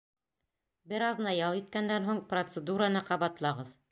Бер аҙна ял иткәндән һуң, процедураны ҡабатлағыҙ.